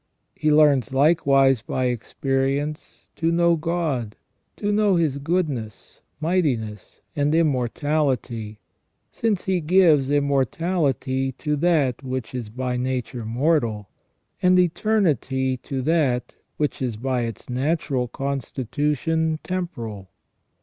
He learns likewise by experience to know God, to know His goodness, mightiness, and immortality, since He gives immortality to that which is by nature mortal, and eternity to that which is by its natural constitution temporal.